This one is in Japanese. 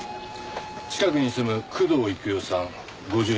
近くに住む工藤幾代さん５２歳。